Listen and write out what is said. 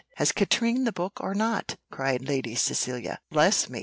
"Has Katrine the book or not?" cried Lady Cecilia. "Bless me!